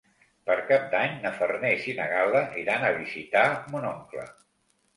Per Cap d'Any na Farners i na Gal·la iran a visitar mon oncle.